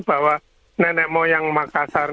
bahwa nenek moyang makassar